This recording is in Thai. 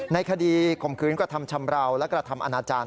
ในคดีข่มคืนกฎธรรมชำราวและกฎธรรมอาณาจารย์